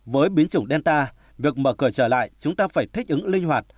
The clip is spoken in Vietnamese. với biến chủng delta việc mở cửa trở lại chúng ta phải thích ứng linh hoạt